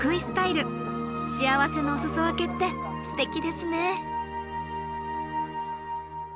幸せのお裾分けってステキですね。